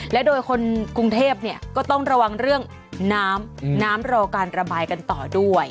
และโดยคนกรุงเทพเนี่ยก็ต้องระวังเรื่องน้ำน้ำรอการระบายกันต่อด้วย